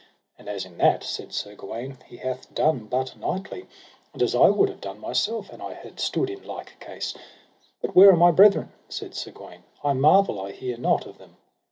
And as in that, said Sir Gawaine, he hath done but knightly, and as I would have done myself an I had stood in like case. But where are my brethren? said Sir Gawaine, I marvel I hear not of them.